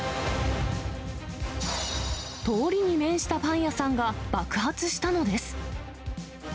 通りに面したパン屋さんが爆発したのです。